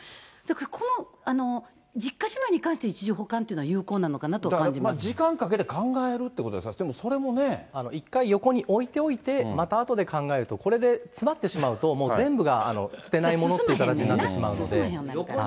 この実家じまいに関して、一時保管っていうのは有効なのかなと感時間かけて考えるっていうこ一回横に置いておいて、またあとで考えると、これで、詰まってしまうと、もう全部が捨てないものという形になってしまうので。